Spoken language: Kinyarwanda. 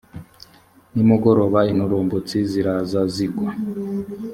nimugoroba inturumbutsi ziraza zigwa